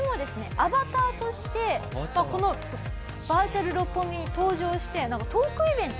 アバターとしてこのバーチャル六本木に登場してなんかトークイベント。